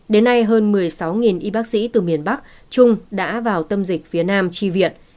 đến nay hơn một mươi sáu y bác sĩ từ miền bắc trung đã vào tâm dịch phía nam tri viện